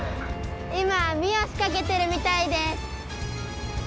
今あみをしかけてるみたいです。